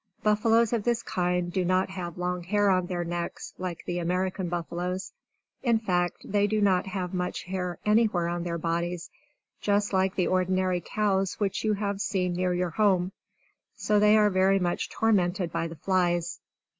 Buffaloes of this kind do not have long hair on their necks, like the American buffaloes. In fact, they do not have much hair anywhere on their bodies just like the ordinary cows which you have seen near your home. So they are very much tormented by the flies.